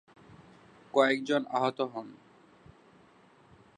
কয়েক জন আহত হন।